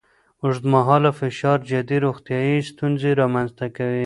اوږدمهاله فشار جدي روغتیایي ستونزې رامنځ ته کوي.